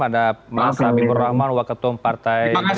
ada mas habibur rahman waketum partai demokrat